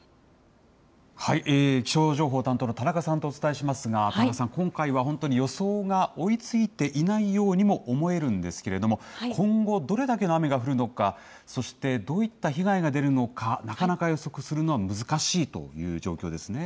気象情報担当の田中さんとお伝えしますが、田中さん、今回は本当に予想が追いついていないようにも思えるんですけれども、今後、どれだけの雨が降るのか、そしてどういった被害が出るのか、なかなか予測するのは難しいという状況ですね。